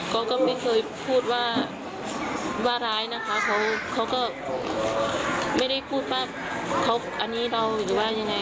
เขาก็ไม่เคยพูดว่าร้ายนะคะเขาก็ไม่ได้พูดว่าเขาอันนี้เราหรือว่ายังไง